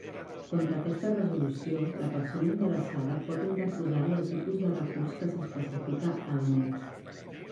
Contra aquesta resolució, la persona interessada pot interposar-hi el tipus de recurs que s'especifica a l'annex.